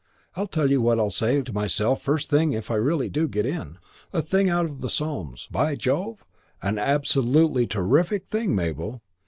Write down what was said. I'll tell you what I'll say to myself first thing if I really do get in. A thing out of the Psalms. By Jove, an absolutely terrific thing, Mabel.